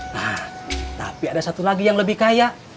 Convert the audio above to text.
nah tapi ada satu lagi yang lebih kaya